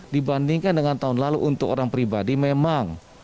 dibandingkan dengan tahun lalu untuk orang pribadi memang